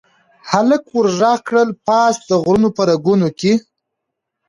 هلک ور ږغ کړل، پاس د غرونو په رګونو کې